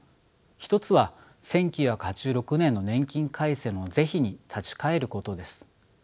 一つは１９８６年の年金改正の是非に立ち返ることです。